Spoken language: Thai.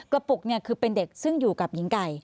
ปุกเนี่ยคือเป็นเด็กซึ่งอยู่กับหญิงไก่